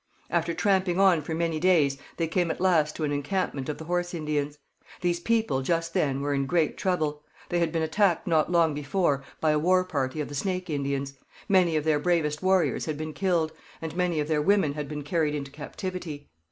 After tramping on for many days they came at last to an encampment of the Horse Indians. These people, just then, were in great trouble. They had been attacked not long before by a war party of the Snake Indians; many of their bravest warriors had been killed, and many of their women had been carried into captivity.